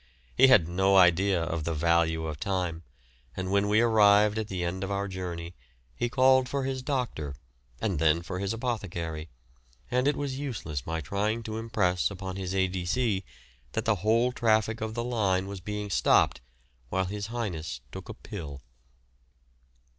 He had no idea of the value of time, and when we arrived at the end of our journey he called for his doctor and then for his apothecary, and it was useless my trying to impress upon his A.D.C. that the whole traffic of the line was being stopped while his Highness took a pill.